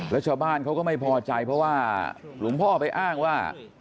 แล้วชาวบ้านเขาก็ไม่พอใจเพราะว่าหลวงพ่อไปอ้างว่า